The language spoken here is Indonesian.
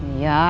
iya esi ngerti